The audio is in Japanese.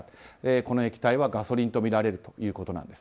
この液体はガソリンとみられるということなんです。